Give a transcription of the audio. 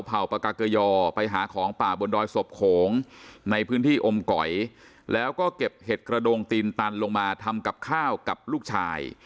เป่าปากาเกยอไปหาของป่าบนดอยศพโขงในพื้นที่อมก๋อยแล้วก็เก็บเห็ดกระโดงตีนตันลงมาทำกับข้าวกับลูกชาย